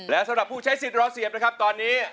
และสำหรับผู้ใช้สิทธิ์รอเสียบนะครับตอนนี้